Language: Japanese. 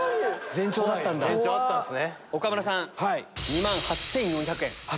前兆あったんすね。